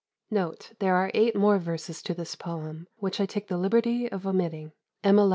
'"[A] [A] There are eight more verses to this poem, which I take the liberty of omitting. E. L.